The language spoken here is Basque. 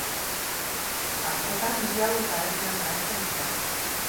Askotan hiri hau eta Etna nahasten dira.